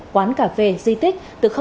quán cà phê di tích